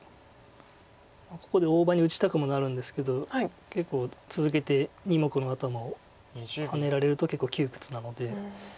ここで大場に打ちたくもなるんですけど結構続けて２目の頭をハネられると結構窮屈なので。